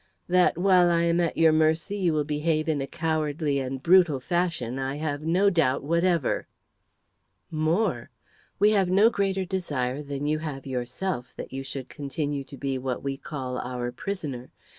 "That, while I am at your mercy, you will behave in a cowardly and brutal fashion I have no doubt whatever." "More. We have no greater desire than you have yourself that you should continue to be, what we call, our prisoner.